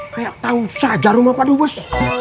kayak tahu saja rumah pak dubos